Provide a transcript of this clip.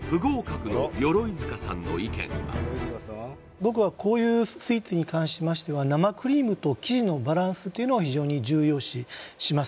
僕はこういうスイーツに関しましては生クリームと生地のバランスというのを非常に重要視します